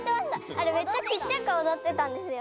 あれめっちゃちっちゃくおどってたんですよ。